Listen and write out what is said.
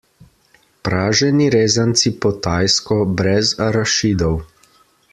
Praženi rezanci po tajsko, brez arašidov.